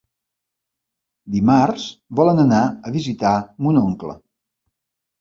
Dimarts volen anar a visitar mon oncle.